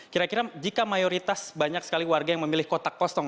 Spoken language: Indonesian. kira kira jika mayoritas banyak sekali warga yang memilih kotak kosong